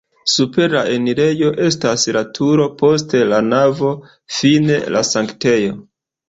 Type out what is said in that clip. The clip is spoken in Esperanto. Super la enirejo estas la turo, poste la navo, fine la sanktejo.